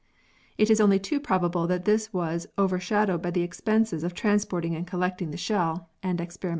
It is only too probable that this was over shadowed by the expenses of transplanting and collecting the shell, and experimentation.